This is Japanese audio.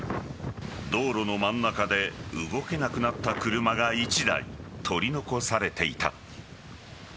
道路の真ん中で動けなくなった車が１台取り残されていた。